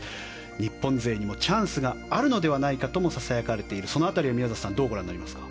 日本勢にもチャンスがあるのではとささやかれているその辺りは、宮里さんどうご覧になりますか。